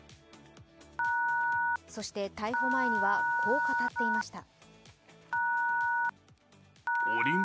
そして逮捕前にはこう語っていました。